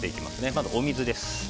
まず、お水です。